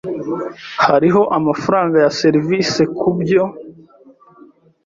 Hariho amafaranga ya serivisi kubyo?